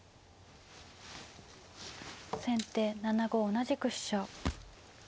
先手７五同じく飛車。